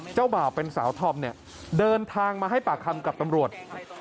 เจ้าบ่าวเป็นสาวธอมเนี่ยเดินทางมาให้ปากคำกับตำรวจ